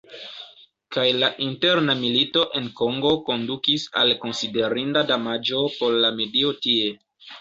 Kaj la interna milito en Kongo kondukis al konsiderinda damaĝo por la medio tie.